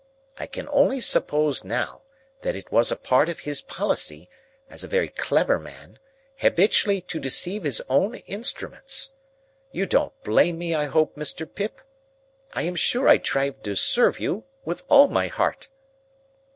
I can only suppose now, that it was a part of his policy, as a very clever man, habitually to deceive his own instruments. You don't blame me, I hope, Mr. Pip? I am sure I tried to serve you, with all my heart."